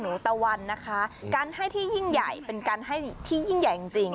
ตะวันนะคะการให้ที่ยิ่งใหญ่เป็นการให้ที่ยิ่งใหญ่จริงจริง